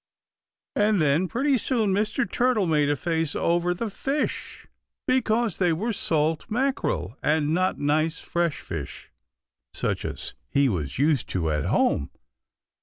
And then, pretty soon, Mr. Turtle made a face over the fish because they were salt mackerel and not nice fresh fish, such as he was used to at home.